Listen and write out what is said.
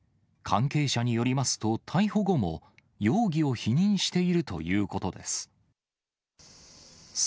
関係者によりますと、逮捕後も、容疑を否認しているということです。